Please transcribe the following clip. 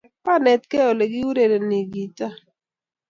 kwanetkei ole kiurereni gitaa